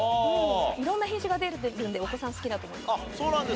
色んな品種が出てるんでお子さん好きだと思います。